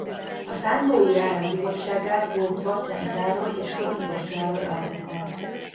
A szántói járás bizottságát gróf Batthyány Károly és Forintos Károly alkották.